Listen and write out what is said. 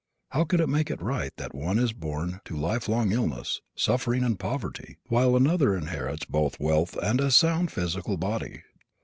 How could it make it right that one is born to life long illness, suffering and poverty, while another inherits both wealth and a sound physical body?